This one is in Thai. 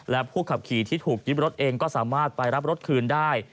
และผู้ขับขี่ที่ถูกยึดรถเองก็สามารถไปรับรถคืนได้